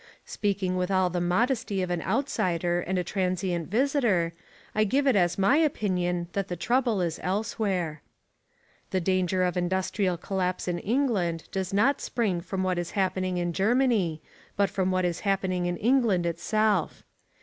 Speaking with all the modesty of an outsider and a transient visitor, I give it as my opinion that the trouble is elsewhere. The danger of industrial collapse in England does not spring from what is happening in Germany but from what is happening in England itself.